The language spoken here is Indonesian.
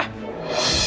cukup ibu nda